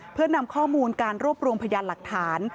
เพื่อนำข้อมูลการรวบรวมพยานหลักฐาน